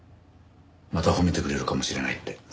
また褒めてくれるかもしれないって。